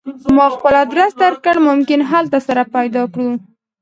ما خپل ادرس درکړ ممکن هلته سره پیدا کړو